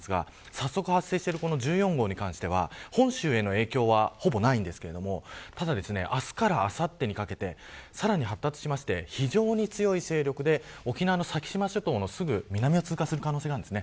早速発生している１４号に関しては本州への影響はほぼないんですが明日からあさってにかけてさらに発達して非常に強い勢力で沖縄の先島諸島のすぐ南を通過する可能性があります。